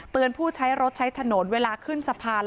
ผู้ใช้รถใช้ถนนเวลาขึ้นสะพาน